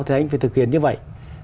thì anh phải thực hiện như vậy